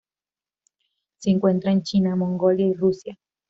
Se encuentra en China, Mongolia y Rusia.